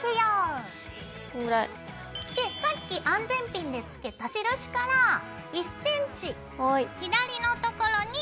でさっき安全ピンでつけた印から１ｃｍ左のところに上から通す。